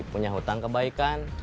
punya hutang kebaikan